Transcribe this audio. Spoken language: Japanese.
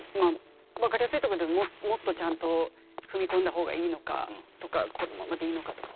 分かりやすいとこでもっとちゃんと踏み込んだ方がいいのかとかこのままでいいのかとか。